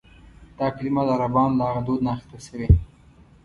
دا کلیمه د عربانو له هغه دود نه اخیستل شوې.